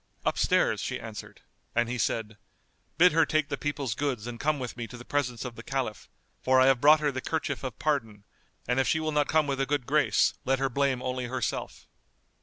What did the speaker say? "Upstairs," she answered; and he said, "Bid her take the people's goods and come with me to the presence of the Caliph; for I have brought her the kerchief of pardon, and if she will not come with a good grace, let her blame only herself."